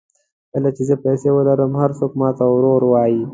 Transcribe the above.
کله چې زه پیسې ولرم هر څوک ماته ورور وایي.